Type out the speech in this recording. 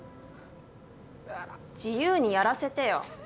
・自由にやらせてよ。